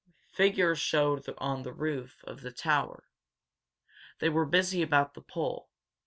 Figures showed on the roof of the tower. They were busy about the pole.